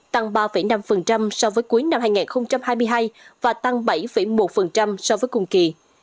tăng ba năm so với cuối năm hai nghìn hai mươi hai và tăng bảy một so với cùng kỳ